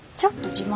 自慢？